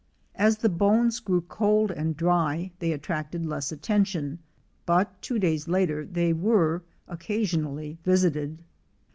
As the bones grew cold and dry they attracted less attention, but two days later they were occasion ally visited.